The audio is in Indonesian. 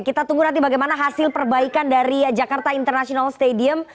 kita tunggu nanti bagaimana hasil perbaikan dari jakarta international stadium